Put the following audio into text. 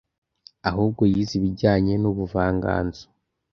ahubwo Yize ibijyanye n'ubuvanganzo